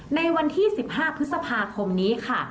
ในวันที่๑๕พฤษภาคมนี้ค่ะ